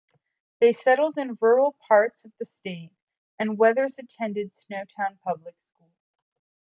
They settled in rural parts of the state and Weathers attended Snowtown Public School.